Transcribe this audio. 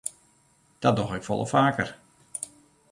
Dat doch ik folle faker.